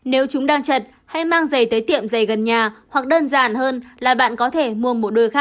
nếu chúng đang chật hãy mang giày tới tiệm giày gần nhà hoặc đơn giản hơn là bạn có thể mua một đôi khác cho vừa chân